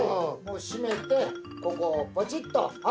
閉めてここをポチっと。